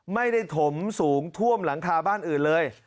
ไม่ได้ถมสูงท่วมหลังคาบ้านอื่นเลย